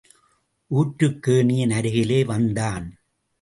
ஊற்றுக்கேணியின் அருகிலே வந்தான்.